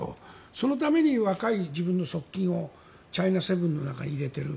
そのために若い自分の側近をチャイナ・セブンの中に入れている。